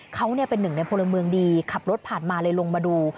เขาเป็นหนึ่งในพลเมืองดีขับรถผ่านมาเลยลงมาดู